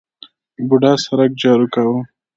بوډا سرک جارو کاوه.